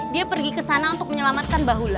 dia pergi ke sana untuk menyelamatkan bahula